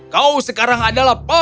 kau sekarang adalah pelayanmu